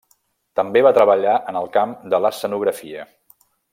També va treballar en el camp de l’escenografia.